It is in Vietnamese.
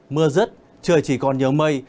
mưa rứt trời chỉ còn nhớ mây